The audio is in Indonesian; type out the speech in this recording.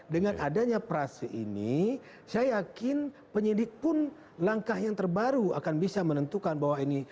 dengan adanya prase ini saya yakin penyidik pun langkah yang terbaru akan bisa menentukan bahwa ini